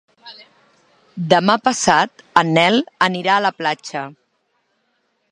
Demà passat en Nel anirà a la platja.